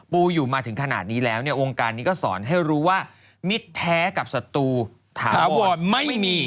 อยู่มาถึงขนาดนี้แล้วเนี่ยวงการนี้ก็สอนให้รู้ว่ามิตรแท้กับศัตรูถาวรไม่มี